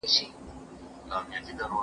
تاسو پوښتنې په څلورپوړیز چوکاټ کې تنظیم کړئ.